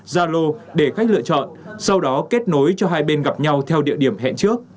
zalo để khách lựa chọn sau đó kết nối cho hai bên gặp nhau theo địa điểm hẹn trước